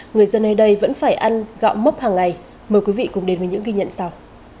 người dân ở đây vẫn phải ăn gạo mốc hằng ngày mời quý vị cùng đến với những ghi nhận sau